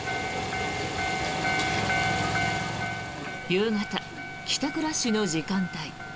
夕方、帰宅ラッシュの時間帯。